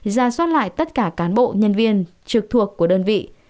ra soát lại tất cả cán bộ nhân viên trực thuộc của đơn vị